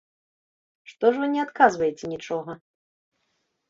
Што ж вы не адказваеце нічога?